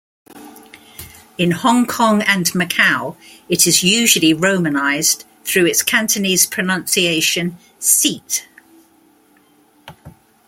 In Hong Kong and Macau it is usually romanized through its Cantonese pronunciation Sit.